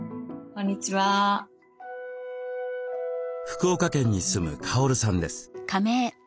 福岡県に住むカオルさんです。